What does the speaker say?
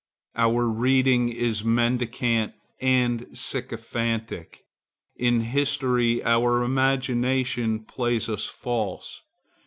Our reading is mendicant and sycophantic. In history our imagination plays us false.